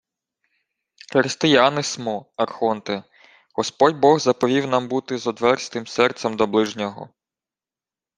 — Християни смо, архонте. Господь бог заповів нам бути з одверзтим серцем до ближнього.